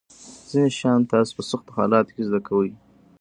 ځینې شیان تاسو په سختو حالاتو کې زده کوئ.